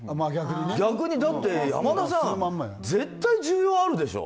逆にだって山田さん絶対、需要あるでしょ？